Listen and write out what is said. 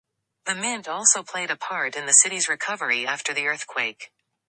The mint also played a part in the city's recovery after the earthquake.